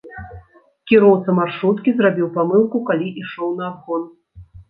Кіроўца маршруткі зрабіў памылку, калі ішоў на абгон.